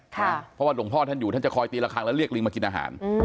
เพราะว่าหลวงพ่อท่านอยู่ท่านจะคอยตีละครั้งแล้วเรียกลิงมากินอาหาร